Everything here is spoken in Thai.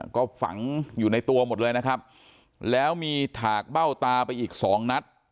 ก็ฝังอยู่ในตัวหมดเลยนะครับแล้วมีถากเบ้าตาไปอีกสองนัด